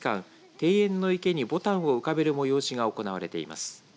庭園の池にぼたんを浮かべる催しが行われています。